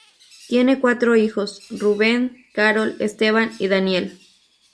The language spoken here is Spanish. Tiene cuatro hijos, Ruben, Carol, Esteban y Daniel.